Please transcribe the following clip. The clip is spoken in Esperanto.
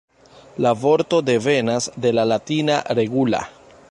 La vorto devenas de la latina "regula".